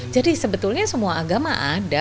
jadi sebetulnya semua agama ada